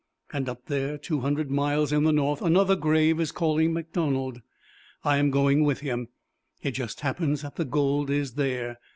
And up there, two hundred miles in the north, another grave is calling MacDonald. I am going with him. It just happens that the gold is there.